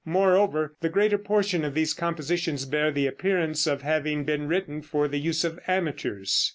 Moreover, the greater portion of these compositions bear the appearance of having been written for the use of amateurs.